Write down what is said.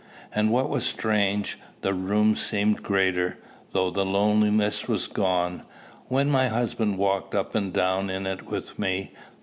And what was strange, the room seemed greater, though the loneliness was gone, when my husband walked up and down in it with me.